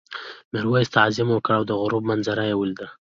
میرويس تعظیم وکړ او د غروب منظره یې ولیده.